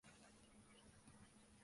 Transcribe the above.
気の利いたサービスがここのウリです